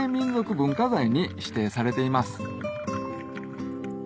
文化財に指定されています